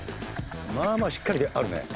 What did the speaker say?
まあまあしっかりあるね。